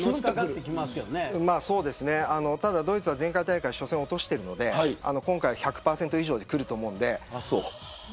ドイツは前回大会で初戦を落としているので今回は１００％以上でくると思います。